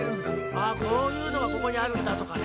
「あっこういうのがここにあるんだ」とかね